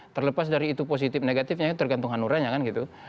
terlepas dari itu positif negatifnya tergantung hanura ya kan gitu